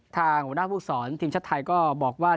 ทางหัวหน้าภูมิสอนทีมชัดไทยก็บอกว่า